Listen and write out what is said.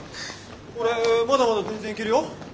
俺まだまだ全然いけるよ。